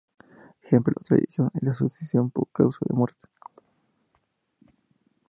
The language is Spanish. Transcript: Ejemplo: tradición y la sucesión por causa de muerte.